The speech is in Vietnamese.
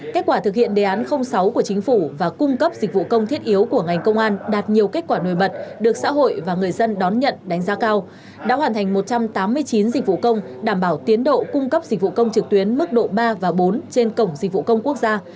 kết quả thực hiện đề án sáu của chính phủ và cung cấp dịch vụ công thiết yếu của ngành công an đạt nhiều kết quả nổi bật được xã hội và người dân đón nhận đánh giá cao đã hoàn thành một trăm tám mươi chín dịch vụ công đảm bảo tiến độ cung cấp dịch vụ công trực tuyến mức độ ba và bốn trên cổng dịch vụ công quốc gia